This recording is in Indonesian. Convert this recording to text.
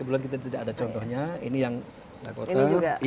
kemudian kita tidak ada contohnya ini yang dakota